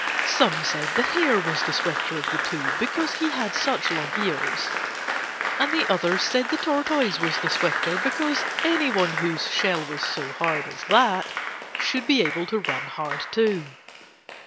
Some said the Hare was the swifter of the two because he had such long ears, and others said the Tortoise was the swifter because anyone whose shell was so hard as that should be able to run hard too.